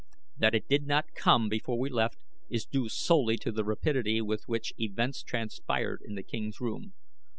That it did not come before we left is due solely to the rapidity with which events transpired in the king's* room.